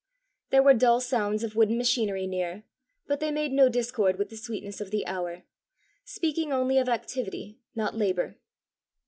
There were dull sounds of wooden machinery near, but they made no discord with the sweetness of the hour, speaking only of activity, not labour.